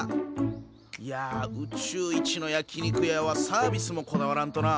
いやあ宇宙一の焼き肉屋はサービスもこだわらんとな。